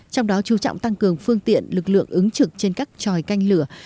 trong đó chú trọng tăng cường phương tiện lực lượng ứng trực trên các tròi canh lửa